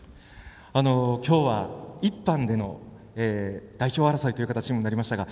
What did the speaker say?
今日は１班での代表争いという形になりましたが